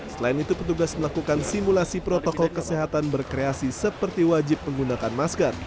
selain itu petugas melakukan simulasi protokol kesehatan berkreasi seperti wajib menggunakan masker